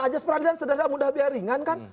nah ajar peradilan sederhana mudah biar ringan kan